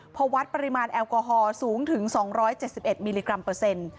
พอวัดปริมาณแอลกอฮอลสูงถึง๒๗๑มิลลิกรัมเปอร์เซ็นต์